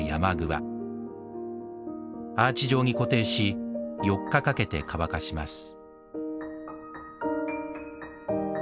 アーチ状に固定し４日かけて乾かします